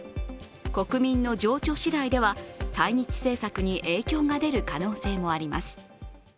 国民の情緒しだいでは対日政策に影響が出る可能性もあります。